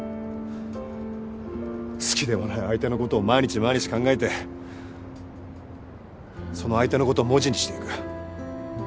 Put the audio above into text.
好きでもない相手のことを毎日毎日考えてその相手のことを文字にしていく。